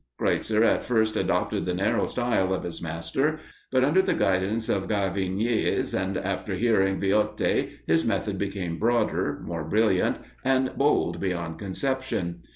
Kreutzer at first adopted the narrow style of his master; but, under the guidance of Gaviniès, and after hearing Viotti, his method became broader, more brilliant, and bold beyond conception.